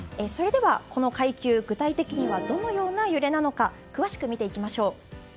この階級具体的にどのような揺れなのか詳しく見ていきましょう。